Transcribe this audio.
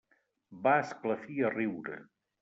Va esclafir a riure.